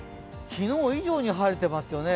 昨日以上に晴れてますよね。